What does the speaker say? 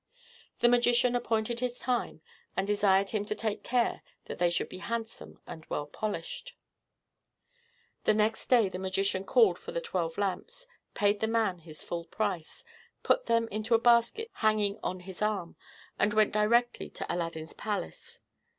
The magician appointed his time, and desired him to take care that they should be handsome and well polished. The next day the magician called for the twelve lamps, paid the man his full price, put them into a basket hanging on his arm, and went directly to Aladdin's palace.